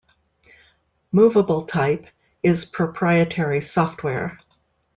Movable Type is proprietary software.